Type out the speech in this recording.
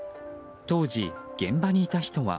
当時、現場にいた人は。